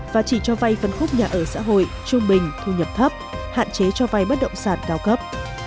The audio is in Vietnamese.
và chỉ cho vay phân khúc nhà ở xã hội trung bình thu nhập thấp hạn chế cho vay bất động sản cao cấp